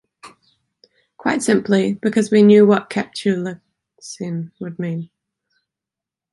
Quite simply because we knew what capitulacion would mean.